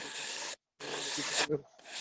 এমন আরো কিছুদিন গেল।